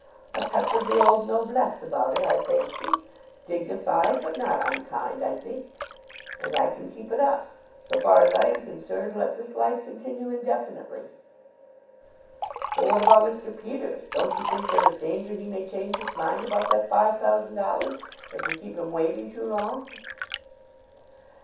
A touch of the old noblesse about it, I fancy. Dignified but not unkind, I think. And I can keep it up. So far as I am concerned, let this life continue indefinitely." "But what about Mr. Peters? Don't you think there is danger he may change his mind about that five thousand dollars if we keep him waiting too long?"